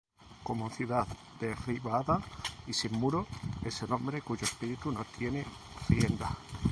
Como ciudad derribada y sin muro, Es el hombre cuyo espíritu no tiene rienda.